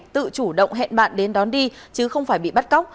tự chủ động hẹn bạn đến đón đi chứ không phải bị bắt cóc